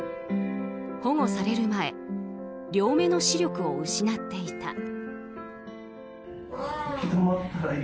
保護される前両目の視力を失っていた。